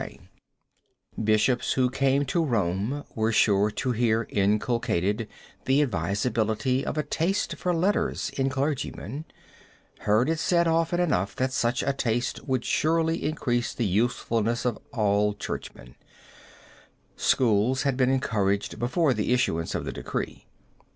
] CATHEDRAL (YORK) CATHEDRAL (LINCOLN) Bishops who came to Rome were sure to hear inculcated the advisability of a taste for letters in clergymen, hear it said often enough that such a taste would surely increase the usefulness of all churchmen. Schools had been encouraged before the issuance of the decree.